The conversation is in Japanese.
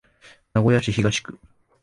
名古屋市東区